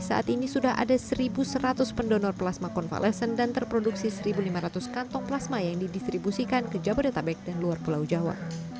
saat ini sudah ada satu seratus pendonor plasma konvalesen dan terproduksi satu lima ratus kantong plasma yang didistribusikan ke jabodetabek dan luar pulau jawa